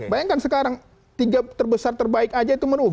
bayangkan sekarang tiga terbesar terbaik saja itu merupakan